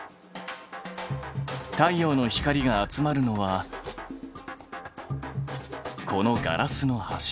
太陽の光が集まるのはこのガラスの柱。